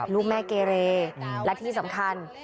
ลูกแม่เกเรและที่สำคัญ